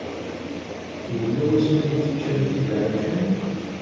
Yella wasmi ay teččamt ibeɛɛucen?